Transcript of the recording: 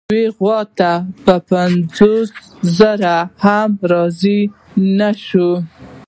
یوې غوا ته په پنځوس زره هم راضي نه شو.